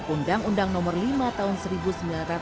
undang undang nomor lima tahun dua ribu empat belas tentang perusahaan